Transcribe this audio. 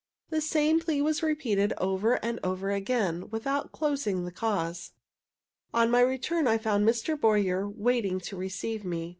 The same plea was repeated over and over again without closing the cause. On my return I found Mr. Boyer waiting to receive me.